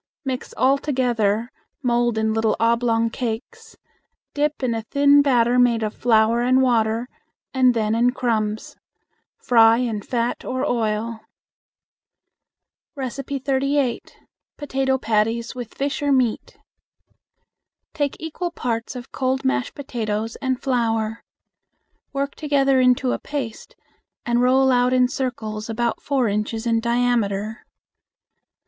Mix all together, mold in little oblong cakes, dip in a thin batter made of flour and water, and then in crumbs. Fry in fat or oil. 38. Potato Patties with Fish or Meat. Take equal parts of cold mashed potatoes and flour. Work together into a paste and roll out in circles about four inches in diameter.